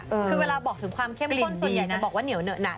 คือเวลาบอกถึงความเข้มข้นส่วนใหญ่จะบอกว่าเหนียวเหนอะหนัก